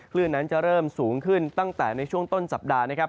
คลื่นนั้นจะเริ่มสูงขึ้นตั้งแต่ในช่วงต้นสัปดาห์นะครับ